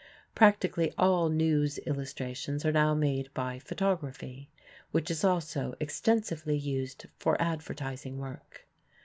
Practically all news illustrations are now made by photography, which is also extensively used for advertising work.